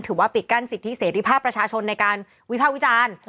ปิดกั้นสิทธิเสรีภาพประชาชนในการวิภาควิจารณ์